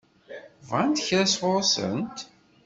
Bɣant kra sɣur-sent?